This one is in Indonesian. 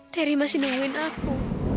terry masih nungguin aku